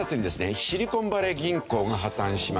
シリコンバレー銀行が破たんしました。